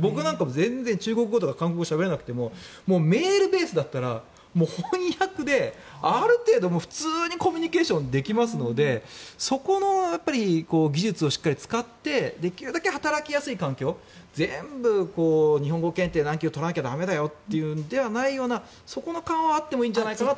僕なんかも全然、中国語とか韓国語しゃべれなくてもメールベースだったら翻訳である程度普通にコミュニケーションできますのでそこの技術をしっかり使ってできるだけ働きやすい環境全部、日本語検定何級取らなきゃ駄目だよというのがないようなそこの緩和はあっていいのではないかなと。